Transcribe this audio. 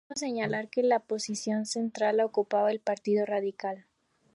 Por último, señalar que la posición central la ocupaba el Partido Radical.